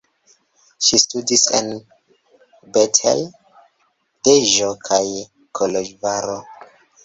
Ŝi studis en Bethlen, Deĵo kaj Koloĵvaro.